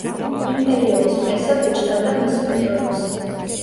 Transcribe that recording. იმ პერიოდის პრესა ბეჭდავდა მის ფოტოებს.